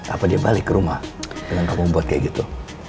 apa dia balik ke rumah dengan kamu buat kayak gitu